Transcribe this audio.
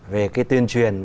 về cái tuyên truyền